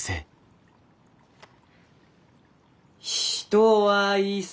「人はいさ」。